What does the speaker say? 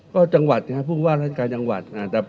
ก็จังหวัดนะครับ